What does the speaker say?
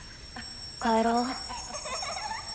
帰ろう。